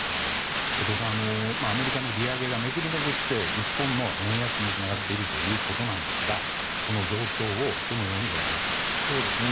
後藤さんアメリカの利上げが巡り巡って日本の円安につながっているということなんですがこの状況を、どのようにご覧になっていますか。